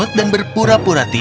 tapi kita sudah r empat kali